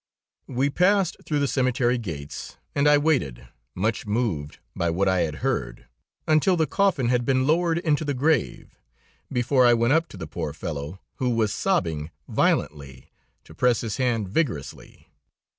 We passed through the cemetery gates and I waited, much moved by what I had heard, until the coffin had been lowered into the grave, before I went up to the poor fellow who was sobbing violently, to press his hand vigorously.